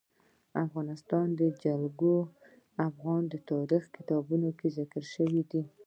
د افغانستان جلکو د افغان تاریخ په کتابونو کې ذکر شوی دي.